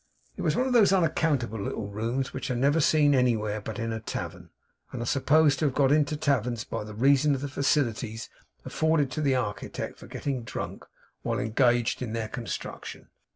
It was one of those unaccountable little rooms which are never seen anywhere but in a tavern, and are supposed to have got into taverns by reason of the facilities afforded to the architect for getting drunk while engaged in their construction.